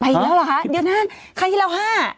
ไปแล้วเหรอคะเดี๋ยวนั่นครั้งที่เรา๕